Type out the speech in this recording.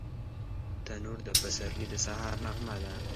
تنور د پسرلي د سهار نغمه ده